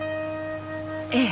ええ。